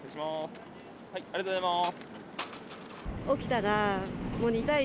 ありがとうございます。